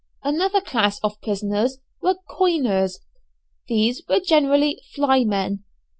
Another class of prisoners were "coiners." These were generally "fly men."